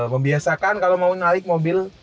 membiasakan kalo mau nyalik mobil